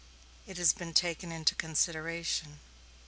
"It has been taken into consideration."